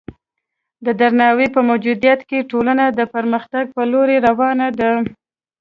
د درناوي په موجودیت کې ټولنه د پرمختګ په لور روانه ده.